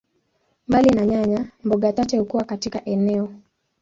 Mbali na nyanya, mboga chache hukua katika eneo.